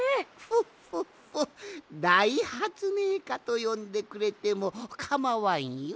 フォッフォッフォだいはつめいかとよんでくれてもかまわんよ。